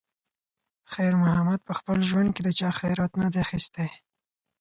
خیر محمد په خپل ژوند کې د چا خیرات نه دی اخیستی.